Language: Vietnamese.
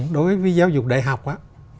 đối với giáo dục đại học á